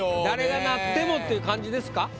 誰がなってもって感じですか？